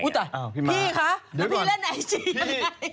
พี่คะแล้วพี่เล่นไอจี